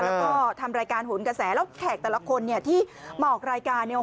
แล้วก็ทำรายการโหนกระแสแล้วแขกแต่ละคนเนี่ยที่มาออกรายการเนี่ย